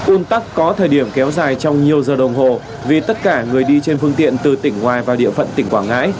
un tắc có thời điểm kéo dài trong nhiều giờ đồng hồ vì tất cả người đi trên phương tiện từ tỉnh ngoài vào địa phận tỉnh quảng ngãi